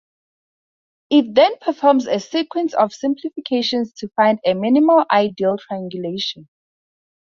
It then performs a sequence of simplifications to find a minimal ideal triangulation.